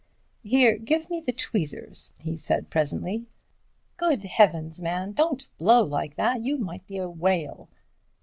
"Here, give me the tweezers," he said presently. "good heavens, man, don't blow like that, you might be a whale."